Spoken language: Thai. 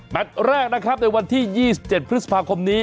แรกนะครับในวันที่๒๗พฤษภาคมนี้